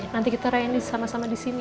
nanti kita rayani sama sama di sini ya